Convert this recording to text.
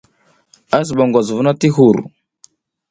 A ziɓa ngwas vuna ti hur.